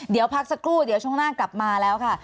เดี๋ยวพักสักครู่เดี๋ยวช่วงหน้ากลับมาแล้วค่ะ